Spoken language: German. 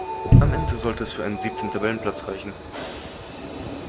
Am Ende sollte es für einen siebten Tabellenplatz reichen.